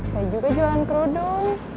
saya juga jualan kerudung